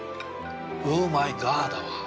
ウーマイガーだわ。